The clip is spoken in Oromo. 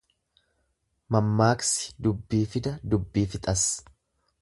Mammaaksi dubbii fida dubbii fixas.